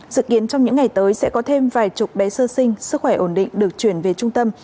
dự kiến trong những ngày tới sẽ có thêm vài chục bé sơ sinh sức khỏe ổn định được chuyển về trung tâm